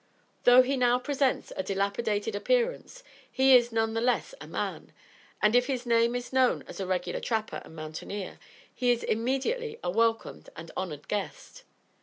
Though he now presents a dilapidated appearance, he is none the less a man; and, if his name is known as a regular trapper and mountaineer, he is immediately a welcomed and honored guest.